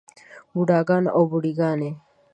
بوډاګان او بوډے ګانے